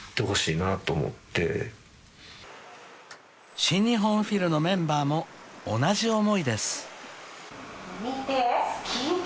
［新日本フィルのメンバーも同じ思いです］